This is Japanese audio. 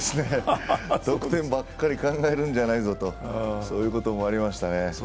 得点ばっかり考えるんじゃないぞと、そういうこともありましたね。